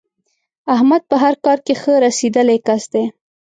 احمد په هر کار کې ښه رسېدلی کس دی.